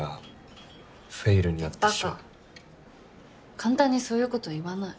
簡単にそういうこと言わない。